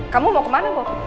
kamu mau kemana bob